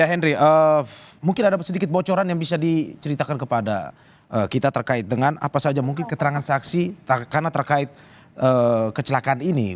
ya henry mungkin ada sedikit bocoran yang bisa diceritakan kepada kita terkait dengan apa saja mungkin keterangan saksi karena terkait kecelakaan ini